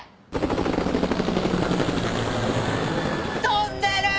飛んでる！